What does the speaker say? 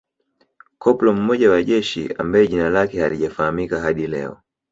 Koplo mmoja wa jeshi ambaye jina lake halijafahamika hadi leo